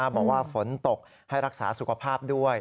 บอกว่าฝนตกให้รักษาสุขภาพด้วย